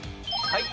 はい。